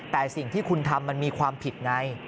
แต่สิ่งที่คุณทำมันมีความผิดไง